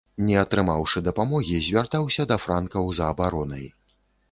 Не атрымаўшы дапамогі звяртаўся да франкаў за абаронай.